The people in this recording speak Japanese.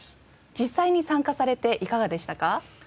実際に参加されていかがでしたか？